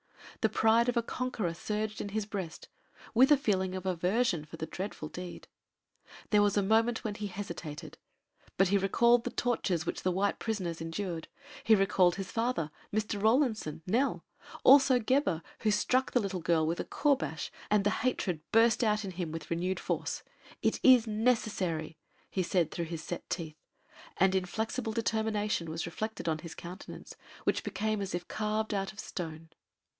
The pride of a conqueror surged in his breast with a feeling of aversion for the dreadful deed. There was a moment when he hesitated, but he recalled the tortures which the white prisoners endured; he recalled his father, Mr. Rawlinson, Nell, also Gebhr, who struck the little girl with a courbash, and hatred burst out in him with renewed force. "It is necessary!" he said through his set teeth, and inflexible determination was reflected on his countenance, which became as if carved out of stone.